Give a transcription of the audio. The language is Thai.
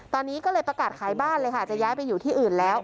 ตอนนี้ก็เลยประกาศขายบ้านเลยค่ะจะย้ายไปอยู่ที่อื่นแล้ว